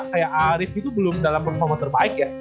kayak arief itu belum dalam performa terbaik ya